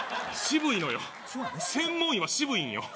渋いのよ専門医は渋いんよ